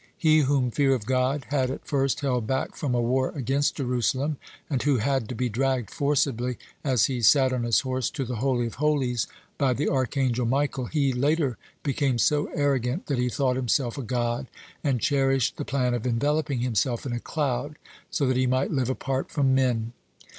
He whom fear of God had at first held back from a war against Jerusalem, and who had to be dragged forcibly, as he sat on his horse, to the Holy of Holies (98) by the archangel Michael, he later became so arrogant that he thought himself a god, (99) and cherished the plan of enveloping himself in a cloud, so that he might live apart from men.